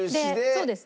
そうですね。